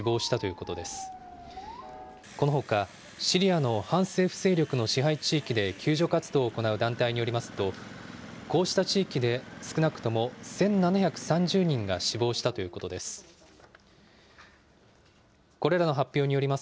このほか、シリアの反政府勢力の支配地域で救助活動を行う団体によりますと、こうした地域で少なくとも１７３０人が死亡したということです。